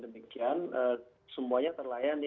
demikian semuanya terlayani